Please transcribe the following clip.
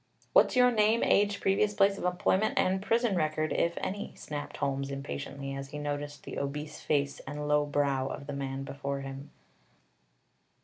"What's your name, age, previous place of employment, and prison record, if any?" snapped Holmes impatiently, as he noticed the obese face and low brow of the man before him.